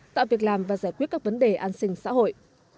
tạo việc làm và giải quyết các vấn đề an sinh xã hội